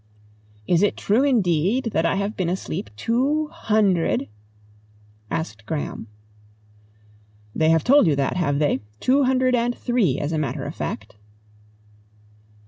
"Is it true indeed, that I have been asleep two hundred ?" asked Graham. "They have told you that, have they? Two hundred and three, as a matter of fact."